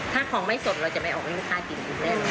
ถ้าของไม่สดเราจะไม่ออกให้ลูกค้ากินอีกแน่นอน